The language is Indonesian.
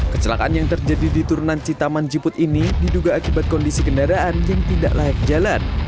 kecelakaan yang terjadi di turunan citaman jiput ini diduga akibat kondisi kendaraan yang tidak layak jalan